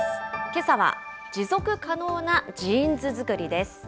けさは持続可能なジーンズ作りです。